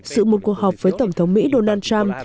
sự một cuộc họp với tổng thống mỹ donald trump